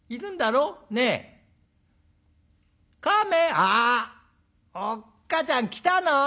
「あおっかちゃん来たの。